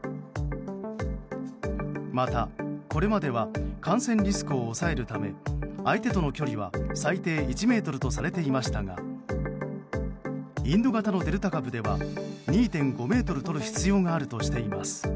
また、これまでは感染リスクを抑えるため相手との距離は最低１ｍとされていましたがインド型のデルタ株では２．５ｍとる必要があるとしています。